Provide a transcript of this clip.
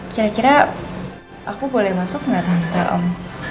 kira kira aku boleh masuk nggak tante om